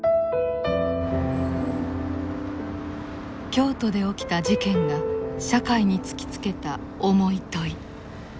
京都で起きた事件が社会に突きつけた重い問い。